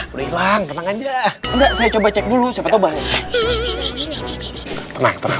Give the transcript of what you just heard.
udah hilang tenang aja enggak saya coba cek dulu siapa tahu bahwa tenang tenang